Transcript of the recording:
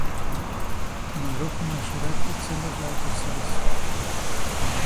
معروف معاشرت څنګه بايد ترسره سي؟